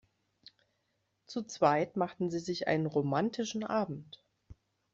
Zu zweit machten sie sich einen romantischen Abend.